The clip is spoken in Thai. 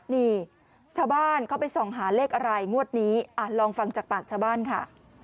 นี่ชาวบ้านเขาไปส่องหาเลขอะไรงวดนี้ลองฟังจากปากชาวบ้านค่ะ